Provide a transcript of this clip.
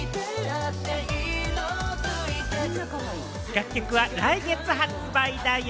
楽曲は来月発売だよ。